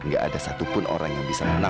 gak ada satupun orang yang bisa menang